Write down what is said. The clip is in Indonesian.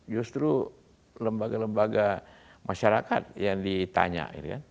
justru lembaga lembaga masyarakat yang ditanya